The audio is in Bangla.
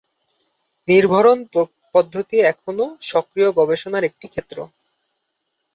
নির্ভরণ পদ্ধতি এখনো সক্রিয় গবেষণার একটি ক্ষেত্র।